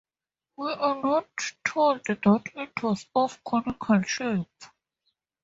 We are not told that it was of conical shape.